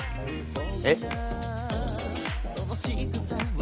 えっ？